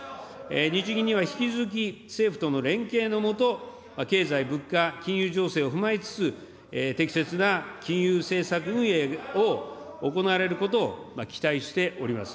日銀には引き続き、政府との連携のもと、経済、物価、賃金情勢を踏まえつつ、適切な金融政策運営を行われることを期待しております。